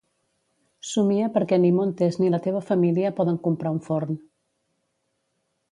Somia perquè ni Montes ni la teva família poden comprar un forn.